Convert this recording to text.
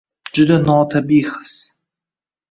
Juda notabiiy his